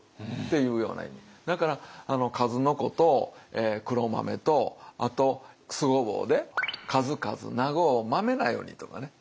だから数の子と黒豆とあと酢ごぼうで数々長うマメなようにとかね。